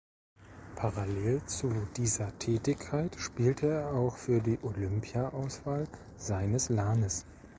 Parallel zu dieser Tätigkeit spielte er auch für die Olympiaauswahl seines Lanes.